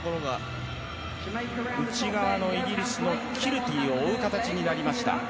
内側のイギリス、キルティを追う形になりました。